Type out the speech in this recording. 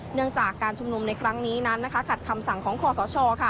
เนื่องจากการชุมนุมในครั้งนี้นั้นขัดคำสั่งของคอสช